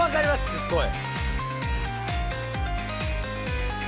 すっごい。